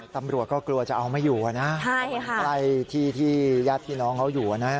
ตำรวจก็กลัวจะเอาไม่อยู่นะใช่ค่ะใกล้ที่ที่ญาติพี่น้องเขาอยู่นะ